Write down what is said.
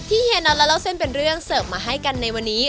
เฮียน็อตและเล่าเส้นเป็นเรื่องเสิร์ฟมาให้กันในวันนี้